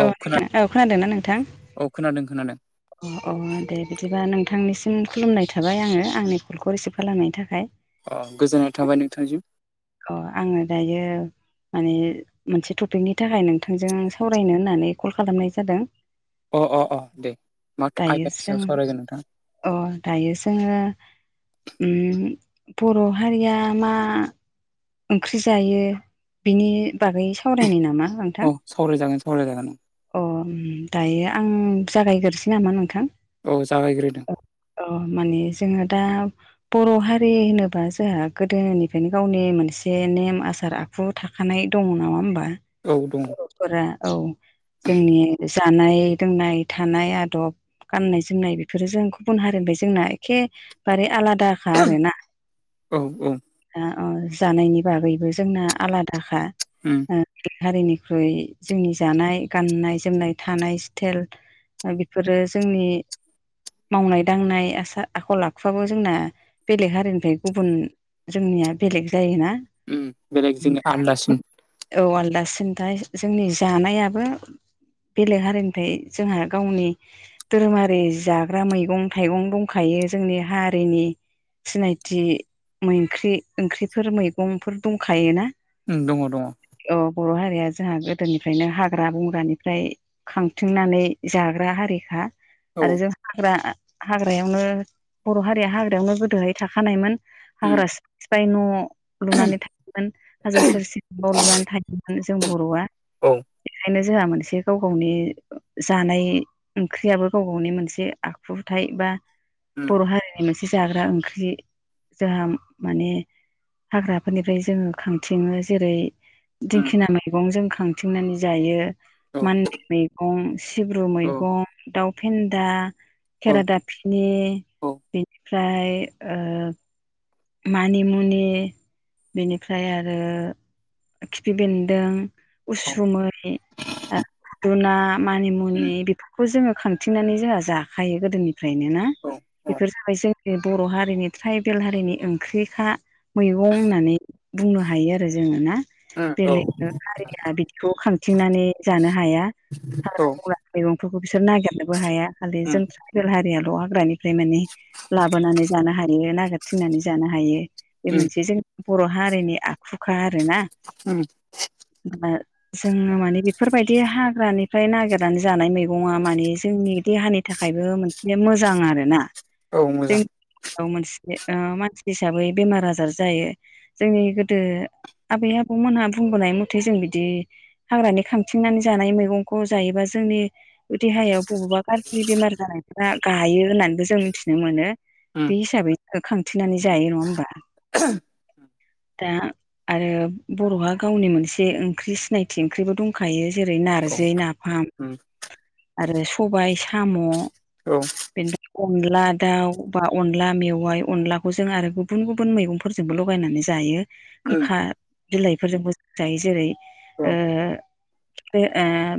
औ नोंथां औ खोनादों ना नोंथां औ खोनादों खोनादों अ अ दे बिदिबा नोंथांनिसिम खुलुमनाय थाबाय आङो आंनि कलखौ रिसिभ खालामनायनि थाखाय अ गोजोननाय थाबाय नोंथांसिम अ आङो दायो माने मोनसे टपिकनि थाखाय नोंथांजों आं सावरायनो होननानै कल खालामनाय जादों अ अ अ दे माथो दायो आयदानि जों सायाव सावरायगोन नोंथां अ दायो जोङो उम बर' हारिया मा ओंख्रि जायो बिनि बागै सावरायनाय नामा नोंथां अ सावराय जागोन सावराय जागोन अ दायो आं जागायग्रोसै नामा नोंथां औ जागायग्रोदों औ माने जोङो दा बर' हारि होनोबा जोंहा गोदोनिफ्रायनो गावनि मोन एसे नेम आसार आखु थाखानाय दङ नामा होमबा औ दङ फोरा औ जोंनि जानाय लोंनाय थानाय आदब गाननाय जोमनाय बेफोरो जों गुबुन हारि होनफ्राय जोंना एखेबारे आलादा खा आरो ना औ औ अ जानायनि बागैबो जोंना आलादाखा [inaudible] हारिनिख्रुइ जोंनि जानाय गाननाय जोमनाय थानाय स्टाइल बेफोरो जोंनि मावनाय दांनाय आसार आखल आखुवाबो जोंना बेलेग हारिनिफ्राय गुबुन जोंनिया बेलेग जायोना उम बेलेग जोंनि आलदासिन औ आलदासिनथा जोंनि जानायाबो बेलेग हारिनिफ्राय जोंहा गावनि दोरोडा़रि जाग्रा मैगं थाइगं दंखायो जोंनि हारिनि सिनायथि ओंख्रि ओंख्रिफोर मैगंफोर दंखायोना दङ दङ अ बर' हारिया जोंहा गोदोनिफ्रायनो हाग्रा बंग्रानिफ्राय खांथिंनानै जाग्रा हारिखा आरो जों हाग्रा हाग्रायावनो बर' हारिया हाग्रायावनो गोदोहाय थाखानायमोन आरो उम हाग्रा सिफाइ न लुनानै थायोमोन हाजो सेर सेर न‌ लुनानै थायोमोन जों बर'आ औ बेायनो जोंहा मोनसे गाव गावनि जानाय ओंख्रियाबो गाव गावनि मोनसे आखुथाय बा उम बर' हारिनि मोनसे जाग्रा ओंख्रि जोंहा माने हाग्राफोरनिफ्राय जोङो खांथिङो जेरै उम दिंखिया मैगं जों खांथिंनानै जायो औ मानलि मैगं सिब्रु औ मैगं दाउ फेन्दा औ खेरादाफिनि औ बे ओमफ्राय मानिमुनि बेनिफ्राय आरो खिफि बेन्दों औ उसुमै दोना मानिमुनि उम बेफोर खौ जोङो खांथिंनानै जोंहा जाखायो गोदोनिफ्रायनो ना औ औ बेफोर जाबाय जों बे बर' हारिनि ट्राइबेल हारिनि ओंख्रिखा मैगं होननानै बुंनो हायो आरो जोङो ना उम औ बेलेग हारिया बिदिखौ खांथिंनानै जानो हाया औ हाग्रा बुला मैगंफोरखौ बिसोर नागिरनोबो हाया खालि उम जों ट्राइबेल हारियाल' हाग्रानिफ्राय मानि लाबोनानै जानो हायो नागिर थिंनानै जानो हायो बे उम मोनसे जोंनि बर' हारिनि आखुखा आरोना उम दा जोङो माने बेफोरबायदि हाग्रानिफ्राय नागिरनानै जानाय मैगङा माने जोंनि देहानि नि थाखायबो मोनसे मोजां आरो ना औ मोजां मोनसे मानसि हिसाबै बेमार आजार जायो जोंनि गोदो आबै आबौमोनहा बुंबोनाय मथे जों बिदि हाग्रानि खांथिंनानै जानाय मैगंखौ जायोबा जोंनि देहायाव बबावबा गाज्रि बेमार जानायफोरा गायो होननानैबो जों मिथिनो मोनो उम बे हिसाबै खांथिंनानै जायो नङा होमबा दा आरो बर'आ गावनि मोनसे ओंख्रि सिनायथि ओंख्रिबो दं दंखायो जेरै औ नारजि नाफाम उम आरो सबाय साम' औ बेनिफ्राय अनला दाउ बा अनला मेवाइ अनला जों आरो गुबुन गुबुन मैगंफोरजोंबो लगायनानै जायो उम गोखा बिलाइफोरजोंबो जायो जेरै औ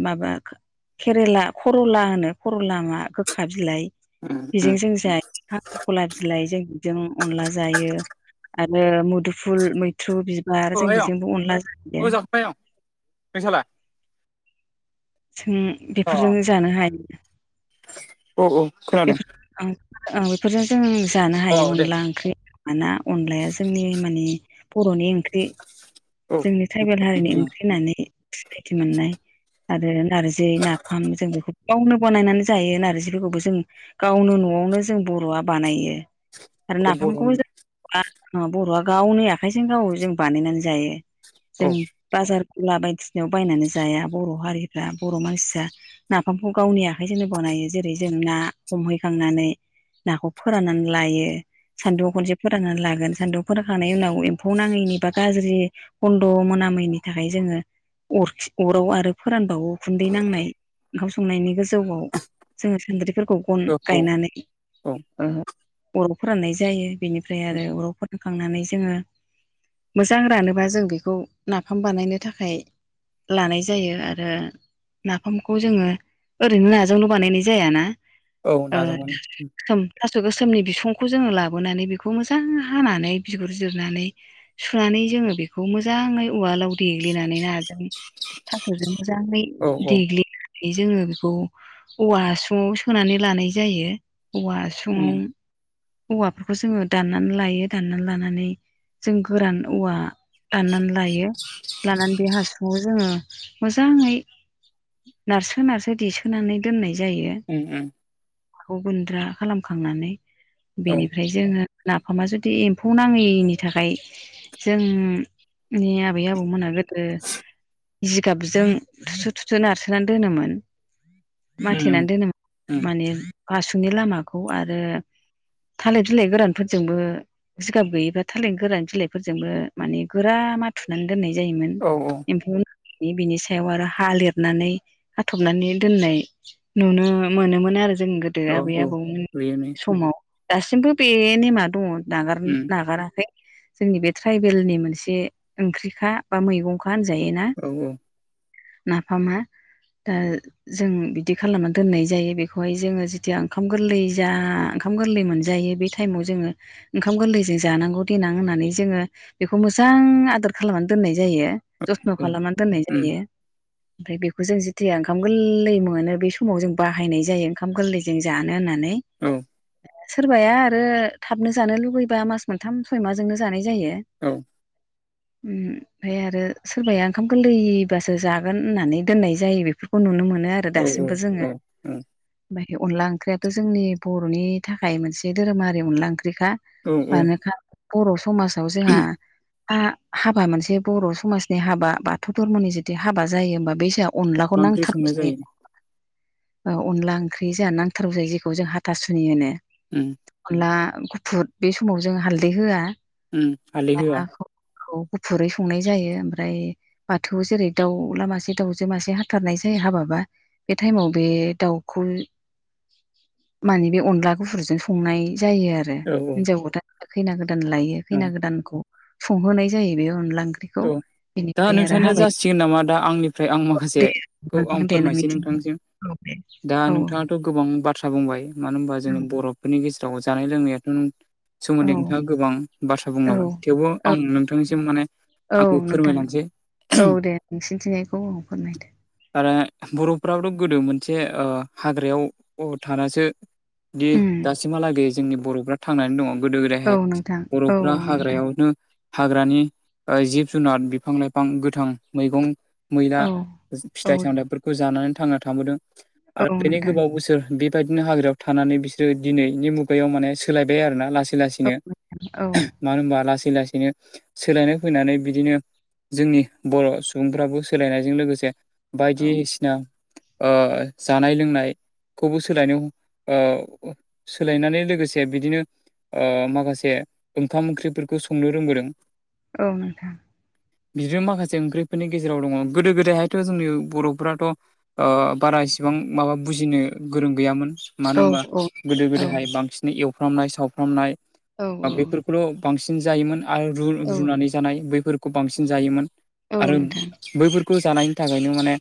माबा केरेला करला होनो करला गोखा बिलाइ उम बेजों उम जों ज खां [unintelligible] खला बिलाइ जों जों अनला जायो आरो मुद फुल मैथ्रु बिबार औ जों आयं बेजोंबो अनला जायो औ जाखांबाय आयं [unintelligible] जों अ बेफोरजोंनो जानो हायो औ औ खोनादों बेफोर औ बेफोरजों जों जानो औ हायो दे अनला ओंख्रि मानोना अनलाया जोंनि मानि बर'नि ओंख्रि औ जोंनि ट्राइबेल हारिनि ओंख्रि होननानै सिनायथि मोननाय आरो नार्जि नाफाम जों बेखौ गावनो बानायनानै जायो नार्जिफोरखौबो जों गावनो न'आवनो जों बर'आ बानायो आरो औ नाफामखौबो बर'नि जों बर'आ गावनि आखाइजों गाव जों बानायनानै जायो जों औ बाजार खुला बायदिसिनायाव बायनानै जाया बर' हारिफ्रा बर' मानसिया नाफामखौ गावनि आखाइजोंनो बानायो जेरै जों ना हमहैखांनानै नाखौ फोराननानै लायो सान्दुुं खनसे फोराननानै लागोन सान्दुं फोरानखांनायनि उनाव एम्फौ नाङैनिबा गाज्रि खन्द' मोनामैनि थाखाय जोङो अरखि अराव आरो फोरानबावो उखुन्दै नांनाय ओंखाम संनायनि गोजौआव जोङो सान्द्रिफोरखौ गन औ औ गायनानै औ अराव फोराननाय जायो बेनिफ्राय आरो अराव फोरान होखांनानै जोङो मोजां रानोबा जों बेखौ नाफाम बानायनो थाखाय लानाय जायो आरो आरो नाफामखौ जोङो ओरैनो नाजोंल' बानायनाय जायाना औ ओ नाजावनानै ओम थास' गोसोमनि बिसुंखौ जोङो लाबोनानै बेखौ मोजां हानानै बिगुरजोबनानै सुनानै जोङो बेखौ मोजाङै उवालाव देग्लिनानै नाजों थाखुजों मोजाङै औ औ देग्लि जोङो बेखौ औवा हासुङाव सोनानै लानाय जायो औवा ङाव उम औवाफोरखौ जोङो दाननानै लायो दाननानै लानानै जों गोरान औवा दाननानै लायो लानानै बे हासुङाव जोङो मोजाङै नारसो नारसो देसोनानै दोननाय जायो उम उम खौ गुन्द्रा खालामखांनानै औ बेनिफ्राय जोङो नाफामा जुदि एम्फौ नाङैनि थाखाय जोंनि आबै आबौमोना गोदो जिगाबजों थुसु थुसु नारसोनानै दोनोमोन उम माथेनानै उम दोनोमोन उम माने आसासुनि लामाखौ आरो थालाय थलाय गोरानफोरजोंबो जिगाब गैयिबा थालिरनो गोरान बिलाइफोरजोंबो माने गोरा फुनानै दोननाय जायोमोन औ एम्फौ बिनि सायाव आरो हा लिरनानै हाथबनानै दोननाय नुनो मोनोमोन आरो जों गोदो औ आबै औ आबौमोन बेनो समाव दासिमबो बे नेमा दङ नागार उम नागाराखै जोंनि बे ट्राइबेलनि मोनसे ओंख्रिखा बा मैगंखा होनजाय ना औ औ नाफामा दा जों बिदि खालामनानै दोननाय जायो बेखौहाय जोङो जथिया ओंखाम गोरलै जा ओंखाम गोरलै मोनजायो बे टाइमाव जोङो ओंखाम गोरलैजों जानांगौ देनां होननानै जोङो बेखौ मोजां आदोर खालामनानै दोननाय जायो जथ्न' खालामनानै दोननाय उम जायो ओमफ्राय बेखौ जों जेथिया ओंखाम गोरलै मोनो बे समाव जों बाहायनाय जायो ओंखाम गोरलै जों जानो होननानै औ सोरबाया आरो थाबनो जानो लुबैबा मास मोनथाम सय माजोंनो जानाय जायो औ ओमफाय आरो सोरबाया ओंखाम गोरलैबासो जागोन होननानै दोननाय जायो बेफोरखौ नुनो मोनो आरो औ औ दासिमबो औ जोङो ओमफ्राय अनला ओंख्रियाथ' जोंनि बर'नि थाखाय मोनसे धोरोमारि अनला ओंख्रिखा औ मानो बर' समाजाव जोंहा हा हाबा मोनसे बर' समाजनि हाबा बाथौ धर्मनि जुदि हाबा जायो होमबा बै सायाव मा अनलाखौ ओंख्रि संनाय नांथारनोसै जायो अनला ओंख्रि जोंहा नांथारगौ जायो जेखौ जों हाथासुनि होनो उम अनला गुफुर बे समाव जों हालदै होआ उम हालदै होया खौ गुफुरै संनाय जायो ओमफ्राय बाथौ जेरै दाउला मासे दाउजो मासे हाथारनाय जायो हाबाबा बे टाइमाव बे दाउखौ माने बे अनला गुफुरजों संनाय जायो आरो आरो औ औ हिनजाव गोदान खैना गोदान लायो औ खैना गोदानखौ संहोनाय जायो बे अनला ओंख्रि औ दा नोंथांनिया जासिगोन नामा दा आंनिफ्राय आं माखासेखौ आं फोरमायसै नोंथांजों औे दे दा औ नोंथाङा थ' गोबां बाथ्रा बुंबाय मानो होनबा जोंनि बर'फोरनि गेजेराव जानाय लोंनायाथ' औ सोमोन्दै नोंथाङा गोबां बाथ्रा बुंलाबाय थेवबो औ आं नोंथांनिसिम माने औ आंबो नोंथां फोरमायलांसै औ दे नोंसिनि थिंजानायनिखौ औ फोरमायदो आरो बर'फाबथ' गोदो मोनसे ओ हाग्रायाव थानासो दि उम दासिमहालागै जोंनि बर'फ्रा थांनानै दङ गोदो औ गोदायहाय नोंथां औ बर'फ्रा औ नोंथां हाग्रायावनो हाग्रानि जिब जुनार बिफां लाइफां गोथां मैगं मैला औ फिथाइ सामथाइफोरखौ जानानै थांना थांबोदों औ आरो बेनि नोंथां गोबाव बोसोर बे बायदिनो हाग्रायाव थानानै बिसोरो दिनैनि मुगायाव माने सोलायबाय आरोना लासै लासै लासैनो मानो होनबा लासै लासैनो सोलायनो फैनानै बिदिनो जोंनि बर' सुबुंफ्राबो सोलायनायजों लोगोसे बायदिसिना ओ जानाय लोंनायखौबो सोलायनायाव ओ सोलायनानै लोगोसे बिदिनो ओ माखासे ओंखाम ओंख्रिफोरखौ संनो रोंबोदों औ नोंथां बिदिनो माखासे ओंख्रिफोरनि गेजेराव दङ गोदो गोदायहायथ' जोंनि बर'फोराथ' ओ बारा इसिबां माबा बुजिनो गोरों गैयामोन मानो औ होनबा औ नोंथां औ गोदो औ गोदायहाय बांसिन एवफ्रामनाय सावफ्रामनाय औ बा बेफोर खौल' बांसिन जायोमोन आरो रु औ रुनानै जानाय बैफोरखौ बांसिन जायोमोन औ आरो नोंथां बैफोरखौ जानायनि थाखायनो माने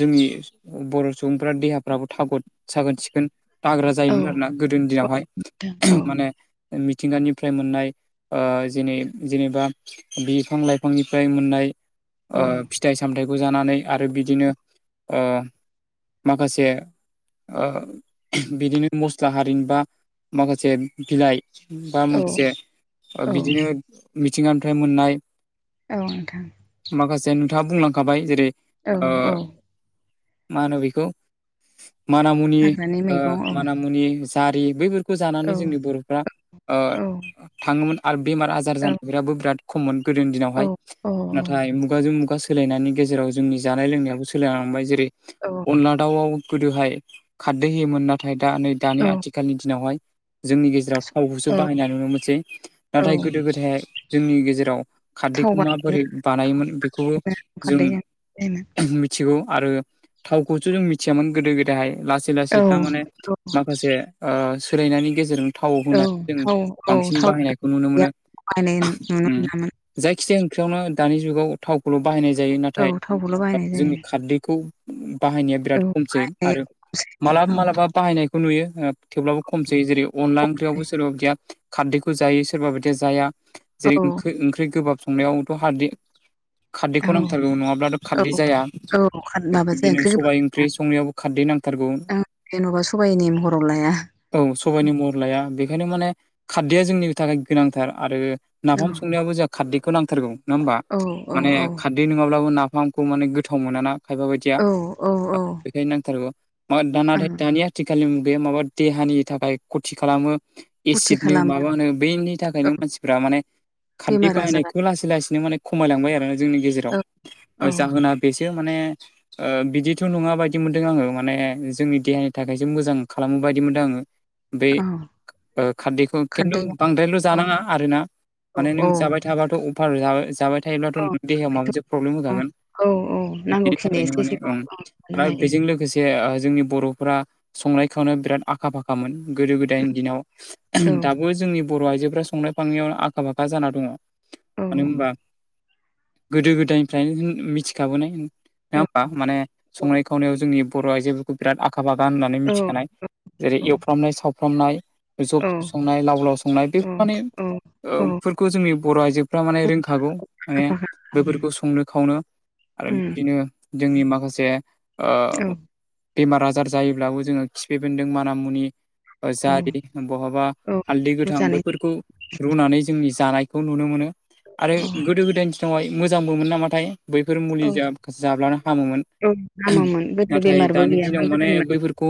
जोंनि बर' सुबुंफ्रा देहाफ्राबो थागद साखोन सिखोन दाग्रा औ जायोमोन आरोना गोदोनि दिनावहाय औ माने मिथिंगानिफ्राय मोननाय ओ जेनै जेनेबा बिफां लाइफांनिफ्राय मोननाय औ ओ फि थाइ सामथाइखौ जानानै आरो बिदिनो ओ माखासे ओ बिदिनो मस्ला हारि बा माखासे बिलाइ बा औ माखासे औ बिदिनो मिथिंगानिफ्राय मोननाय औ नोंथां माखासे नोंथाङा बुंलांखाबाय जेरै औ औ मा होनो बेखौ मानामुनि हाग्रानि मैगं औ मानामुनि दारि बैफोरखौ जानानै औ जोंनि बर'फ्रा औ थाङोमोन आरो बेमार आजार औ जानायफोराबो बिराद खममोन गोदोनि औ दिनावहाय औ नाथाय मुगाजों मुगा सोलायनायनि गेजेराव जोंनि जानाय लोंनायाबो सोलायलांबाय जेरै औ अनला दाउआव गोदोहाय खारदै होयोमोन नाथाय दा नै दानि आथिखाल आथिखालनि दिनावहाय जोंनि गेजेराव थावखौसो बाहायनाय नुनो मोनसै औ नाथाय गोदो गोदाय जोंनि गेजेराव थाव खारदैखौ बानाय माबोरै बानायोमोन बेखौबो जों खारदैजों जायोमोन मिथिगौ आरो थावखौसो जों मिथियामोन गोदो गोदायहाय लासै सिलासे औ था माने औ माखासे ओ सोलायनायनि गेजेरजों थाव औ होनानै जों थाव औ बांसिन थाव बाहायनायखौ नुनो गैया मोनो बायनाय नुनो उम मोनामोन जायखिजाया ओंख्रियावनो दानि जुगाव थावखौल' बाहायनाय जायो नाथाय औ थावखौल' बायनाय जोंनि जायो खारदैखौ बाहायनाया औ बिराद खमसै बायनाय आरो मालाबा औ मालाबा बाहायनायखौ नुयो थेवब्लाबो खम जायो जेरै अनला ओंख्रियावबो सोरबा बिदिया खारदैखौ जायो सोरबा बिायदिया जाया जेरै औ ओंख्रि गोबाब संनायावथ' खारदै औ खारदैखौ नांथारगौ नङाब्लाथ' खारदै औ जाया औ आरो माबाजों बिदिनो ओंख्रि गोबाब सबाय ओंख्रि संनायावबो खारदै नांथारगौ जेन'बा सबाइ ने महराव लाया औ सबायनि महर लाया बेखायनो माने खारदैया जोंनि थाखाय गोनांथार आरो औ नाफाम संनायावबो जोंहा खारदैखौ नांथारगौ नङा होमबा औ औ माने औ खारदै बे नङाब्लाबो नाफामखौ माने गोथाव मोना ना खायबा बायदिया औ औ औ बेखायनो नांथारगौ दाना ओं दानिया आथिखालनि बे माबा देहानि थाखाय खथि खालामो फुरथि एसिडनो खालामो माबानो बैनि औ थाखायनो मानसिफ्रा माने खारदै बेमार आजारा बाहायनायखौ लासै लासैनो माने खमायलांबाय आरोना जोंनि गेजेराव औ औ जाहोना बेसे माने बिदिथ' नङा बायदि मोनदों आङो माने जोंनि देहानि थाखायसो मोजां खालामो बायदि मोनदों आङो बे औ खारदैखौ खिन्थु खारदैया बांद्रायल' औ जानाङा आरोना औ माने औ नों जाबाय थाबाथ' अफार जाबाय थायोब्लाथ' नों देहायाव माबा मोनसे प्रब्लेम होखागोन औ औ बेनि नांगौखिनि थाखायनो एसे माने एसेखौ ओं औ मोननो आरो हायो बेजों लोगोसे बे जोंनि बर'फोरा संनाय खावनाय बिराद आखा फाखामोन गोदो गोदायनि दिनाव औ दाबो जोंनि बर' आइजोफोरा संनाय खावनायाव आखा फाखा जाना दङ औ मानो होनबा गोदो गोदायनिफ्रायनो मिथिखाबोनाय नङा औ होमबा माने संनाय खावनायाव जोंनि बर' आइजो बिराद आखा फाखा होननानै औ मिथिखानाय जेरै एवफ्रामनाय सावफ्रामनाय जब संनाय लाव लाव संनाय बे औ माने औ औ फोरखौ जोंनि बर' आइजोफ्रा माने रोंखागौ आखा माने फाखा बेफोरखौ संनो खावनो आरो उम बिदिनो जोंनि माखासे उम बेमार आजार जायोब्लाबो जोङो खिफि बेन्दों माना मुनि औ जारि बहाबा औ हालदै गोथां मोजाङै बफोरखौ रुनानै जोंनि जानायखौ नुनो मोनो आरो औ गोदो गोदायनि दिनावहाय मोजांबोमोन नामाथाय बैफोर औ मुलिजों जाब्लानो हामोमोन औ हामोमोन गोदो नाथाय बेमारबो दानि दिनाव गैयामोन माने गोदोनि बैफोरखौ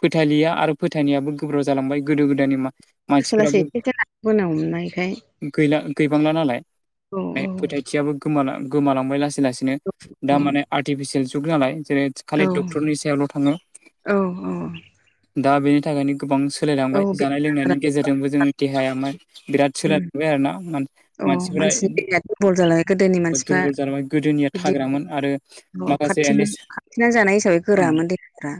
फोथालिया आरो फोथायनायाबो गोब्राब जालांबाय गोदो गोदायनि मा लासै लासै एसेबो नांगौ मोननायखाय गैला गैबांला नालाय औ फोथायथियाबो गोमालांबाय लासैनो लानो दा माने आर्टिफिसियेल जुग नालाय जेरै खालि औ डक्टरनि सायावल' थाङो औ दा बेनि थाखायनो गोबां सोलायलांबाय औ बे जानाय लोंनायनि गेजेरजोंबो जोंनि देहाया मा बिराद सोलायलांबाय आरो ना अ मानसिफोरा मानसिनि दहाया दुरबल जालांबाय गोदोनि मानसिफ्रा दुरबल जालांबाय गोदोनिया बिदिथि थाग्रामोन आरो माखासे खाथिनानै जानाय हिसाबै गोरामोन देहाफ्रा